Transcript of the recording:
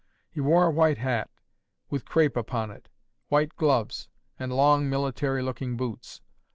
He wore a white hat with crape upon it, white gloves, and long, military looking boots.